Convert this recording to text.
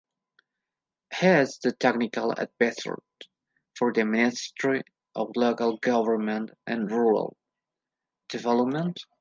He is the Technical Advisor for the Ministry of Local Government and Rural Development.